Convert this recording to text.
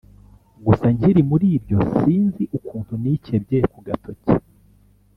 gusa nkiri muribyo sinzi ukuntu nikebye kugatoki